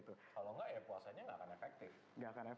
kalau enggak ya puasanya nggak akan efektif